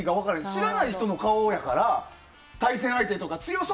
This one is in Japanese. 知らない人の顔やから対戦相手とか。